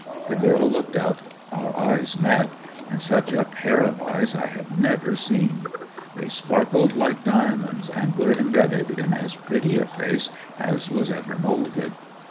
The girl looked up, our eyes met, and such a pair of eyes I had never seen. They sparkled like diamonds, and were imbedded in as pretty a face as was ever moulded.